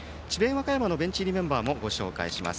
和歌山のベンチ入りメンバーご紹介します。